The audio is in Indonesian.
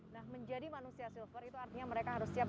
nah menjadi manusia silver itu artinya mereka harus siap